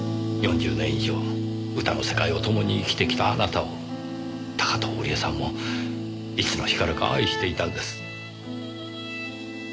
４０年以上歌の世界を共に生きてきたあなたを高塔織絵さんもいつの日からか愛していたんです。